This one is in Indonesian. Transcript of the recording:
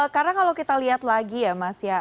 karena kalau kita lihat lagi ya mas ya